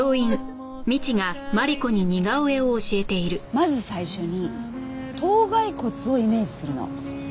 まず最初に頭蓋骨をイメージするの。